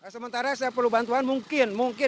sementara saya perlu bantuan mungkin